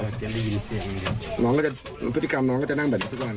ได้ยินเสียงอย่างเดียวน้องก็จะพฤติกรรมน้องก็จะนั่งแบบนี้ก่อน